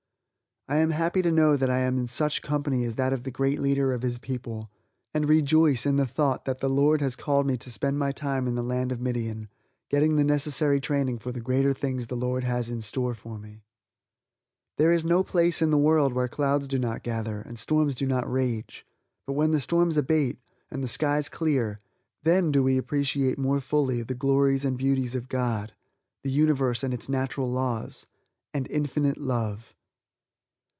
I am happy to know that I am in such company as that of the Great Leader of his people, and rejoice in the thought that the Lord has called me to spend my time in the land of Midian, getting the necessary training for the greater things the Lord has in store for me. There is no place in the world where clouds do not gather, and storms do not rage; but when the storms abate, and the skies clear, then do we appreciate more fully the glories and beauties of God, the Universe and its natural laws, and Infinite Love.